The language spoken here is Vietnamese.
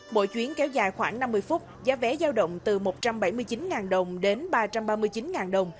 mỗi chuyến kéo dài khoảng năm mươi phút giá vé giao động từ một trăm bảy mươi chín đồng đến ba trăm ba mươi chín đồng